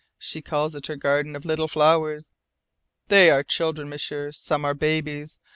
"She calls it her Garden of Little Flowers. They are children, M'sieur. Some are babies.